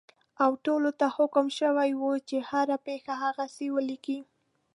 او ټولو ته حکم شوی وو چې هره پېښه هغسې ولیکي.